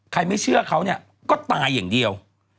ไม่เชื่อเขาเนี่ยก็ตายอย่างเดียว